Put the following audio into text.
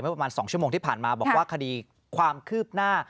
ประมาณ๒ชั่วโมงที่ผ่านมาบอกว่าคดีความคืบหน้า